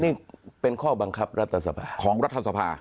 นี่เป็นข้อบังคับรัฐสภา